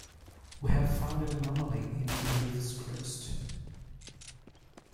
We have found an anomaly in the earth's crust.